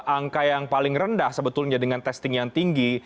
angka yang paling rendah sebetulnya dengan testing yang tinggi